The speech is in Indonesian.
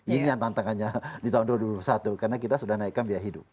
ini yang tantangannya di tahun dua ribu satu karena kita sudah naikkan biaya hidup